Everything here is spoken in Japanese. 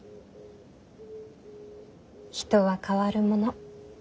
人は変わるもの。